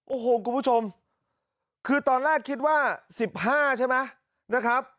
โอ้โหคุณผู้ชมคือตอนแรกคิดว่า๑๕ใช่ไหมนะครับ